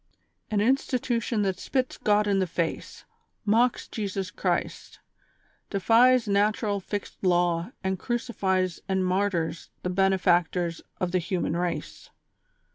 An institution that spits God in the face, mocks Jesus Christ, defies natural fixed law and crucifies and martyrs the benefactors of the human race.